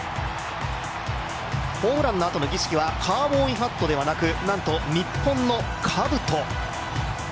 ホームランのあとの儀式は、カウボーイハットではなくなんと、日本のかぶと。